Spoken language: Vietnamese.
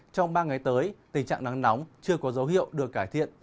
trong ba ngày tới tình trạng nắng nóng chưa có dấu hiệu được cải thiện